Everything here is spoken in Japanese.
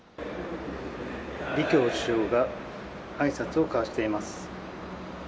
李強氏があいさつを交わしています。